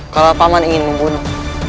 kalau paman ingin membunuh